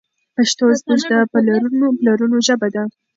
پښتو زموږ د پلرونو ژبه ده.